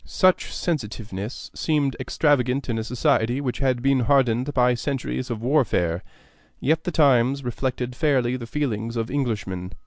Such sensitiveness seemed extravagant in a society which had been hardened by centuries of warfare; yet the Times reflected fairly the feelings of Englishmen.